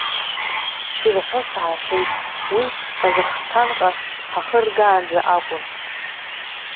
Ирҳәо саҳахьеит, уи Казахсҭанҟа ҳахыргаанӡа акәын.